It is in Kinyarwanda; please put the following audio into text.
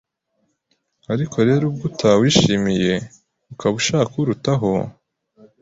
Ariko rero ubwo utawishimiye, ukaba ushaka urutaho,